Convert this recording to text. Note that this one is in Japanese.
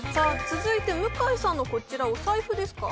続いて向井さんのこちらお財布ですか？